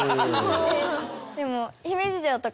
でも。